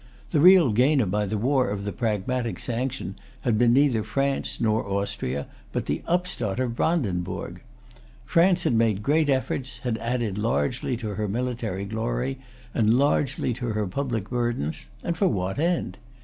The real gainer by the war of the Pragmatic Sanction had been neither France nor Austria, but the upstart of Brandenburg. France had made great efforts, had added largely to her military glory, and largely to her public burdens; and for what end?